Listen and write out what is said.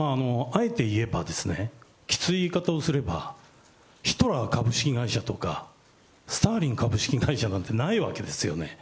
あえて言えば、きつい言い方をすれば、ヒトラー株式会社とかスターリン会社なんていうのはないわけですよね。